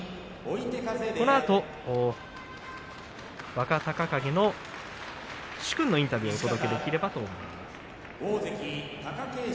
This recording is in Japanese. このあと若隆景の殊勲のインタビューをお届けできればと思います。